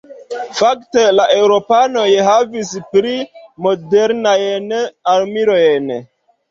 Fakte la eŭropanoj havis pli modernajn armilojn.